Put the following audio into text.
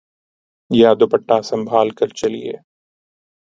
یا دوپٹہ سنبھال کر چلئے